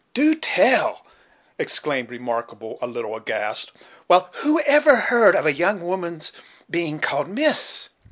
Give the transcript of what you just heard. "Do tell!" exclaimed Remarkable, a little aghast; "well, who ever heerd of a young woman's being called Miss?